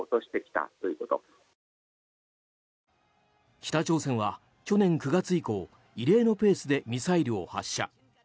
北朝鮮は去年９月以降異例のペースでミサイルを発射。